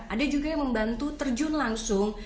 ada juga yang membantu terjun langsung